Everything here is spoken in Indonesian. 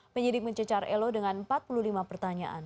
penyidik mencecar elo dengan empat puluh lima pertanyaan